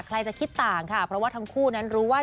ใครจะคิดต่างค่ะเพราะว่าทั้งคู่นั้นรู้ว่า